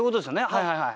はいはいはい。